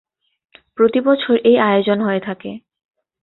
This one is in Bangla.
প্রতিবছর এই আয়োজন হয়ে থাকে।